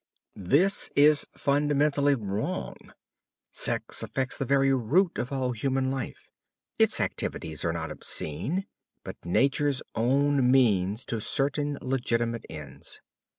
This is fundamentally wrong. Sex affects the very root of all human life. Its activities are not obscene, but Nature's own means to certain legitimate ends.